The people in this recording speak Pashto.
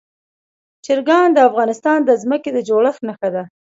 چرګان د افغانستان د ځمکې د جوړښت نښه ده.